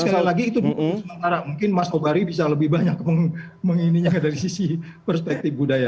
jadi sekali lagi itu mungkin mas obari bisa lebih banyak menginginnya dari sisi perspektif budaya